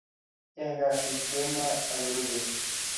yaeii kasit kemoi akoruu bet .